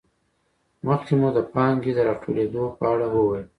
مخکې مو د پانګې د راټولېدو په اړه وویل